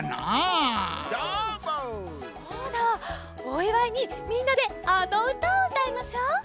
おいわいにみんなであのうたをうたいましょう。